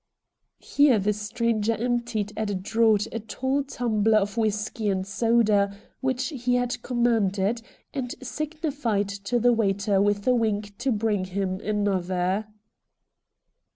Here the stranger emptied at a draught a tall tumbler of whisky and soda which he had commanded, and signified to the waiter with a wink to bring him another.